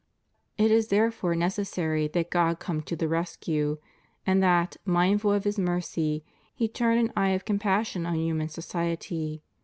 It is therefore necessary that God come to the rescue, and that, mindful of His mercy, He turn an eye of compassion on human society.